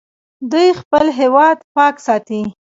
دوی خپل هیواد پاک ساتي.